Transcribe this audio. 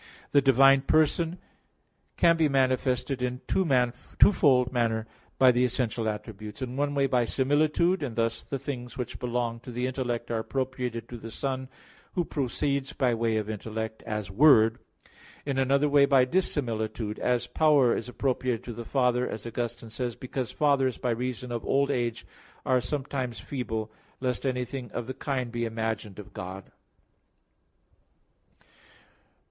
The divine person can be manifested in a twofold manner by the essential attributes; in one way by similitude, and thus the things which belong to the intellect are appropriated to the Son, Who proceeds by way of intellect, as Word. In another way by dissimilitude; as power is appropriated to the Father, as Augustine says, because fathers by reason of old age are sometimes feeble; lest anything of the kind be imagined of God.